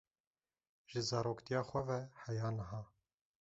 Ji zaroktiya xwe ve heya niha.